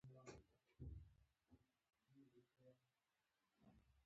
هغه هغې ته د ښایسته شپه ګلان ډالۍ هم کړل.